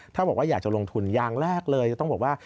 ถ้าบอกว่าอยากจะลงทุนอย่างแรกเลยจะต้องบอกว่า